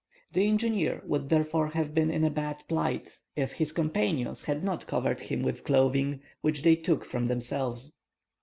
The engineer would therefore have been in a bad plight if his companions had not covered him with clothing which they took from themselves.